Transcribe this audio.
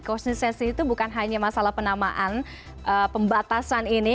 konsistensi itu bukan hanya masalah penamaan pembatasan ini